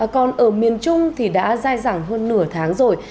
còn ở miền trung thì đã dài dẳng hơn nửa tháng rồi